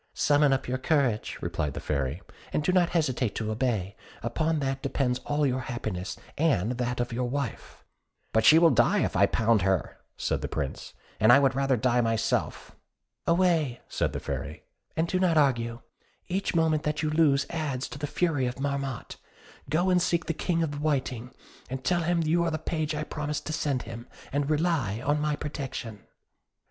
"Summon up your courage," replied the Fairy, "and do not hesitate to obey; upon that depends all your happiness, and that of your wife." "But she will die if I pound her," said the Prince, "and I would rather die myself." "Away," said the Fairy, "and do not argue; each moment that you lose adds to the fury of Marmotte. Go and seek the King of the Whiting; tell him you are the page I promised to send him, and rely on my protection."